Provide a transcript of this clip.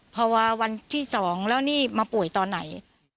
พอวันที่๒แล้วนี่มาป่วยตอนไหน